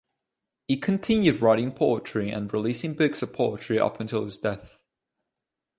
He continued writing poetry and releasing books of poetry up until his death.